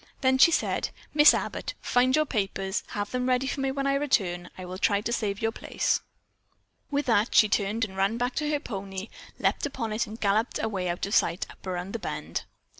Then she said: "Miss Abbott, find your papers. Have them ready for me when I return. I'll try to save your place." With that she turned and ran back to her pony, leaped upon it and galloped out of sight up around the bend.